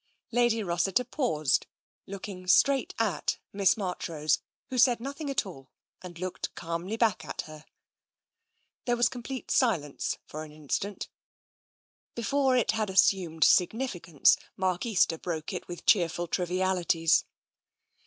Lady Rossiter paused, looking straight at Miss Marchrose, who said nothing at all, and looked calmly back at her. There was complete silence for an instant. Before it had assumed significance, Mark Easter broke it with cheerful trivialities.